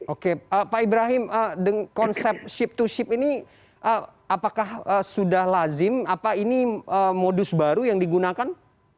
oke pak ibrahim konsep ship to ship ini apakah sudah lazim apa ini modus baru yang digunakan